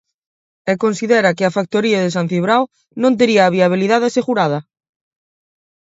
E considera que a factoría de San Cibrao non tería a viabilidade asegurada.